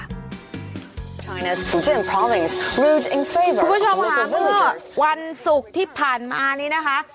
คุณผู้ชมค่ะเมื่อวันศุกร์ที่ผ่านมานี้นะคะ